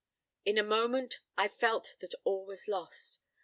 In a moment I felt that all was lost.